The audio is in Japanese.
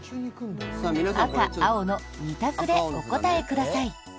赤、青の２択でお答えください。